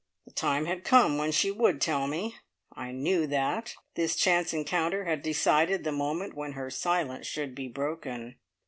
The time had come when she would tell me. I knew that. This chance encounter had decided the moment when her silence should be broken.